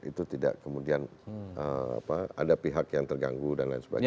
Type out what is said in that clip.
itu tidak kemudian ada pihak yang terganggu dan lain sebagainya